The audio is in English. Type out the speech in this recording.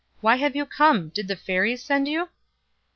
Why have you come? Did the fairies send you?"